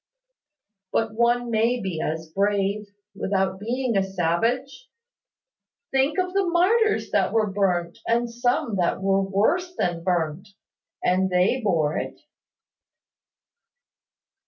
"But one may be as brave, without being a savage. Think of the martyrs that were burnt, and some that were worse than burnt! And they bore it."